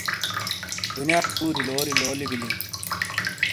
دنیات پوری لولی لولی بیلی